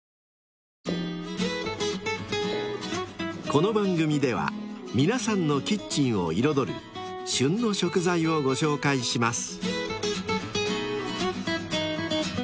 ［この番組では皆さんのキッチンを彩る「旬の食材」をご紹介します］